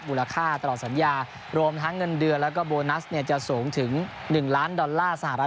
มูลค่าตลอดสัญญารวมทั้งเงินเดือนแล้วก็โบนัสเนี่ยจะสูงถึง๑ล้านดอลลาร์สหรัฐ